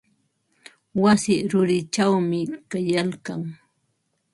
Wasi rurichawmi kaylkan.